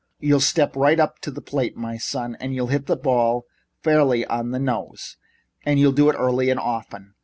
You'll step right up to the plate, my son, and you'll hit the ball fairly on the nose, and you'll do it early and often.